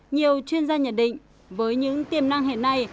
nhiều chuyên gia nhận định với những tiềm năng hiện nay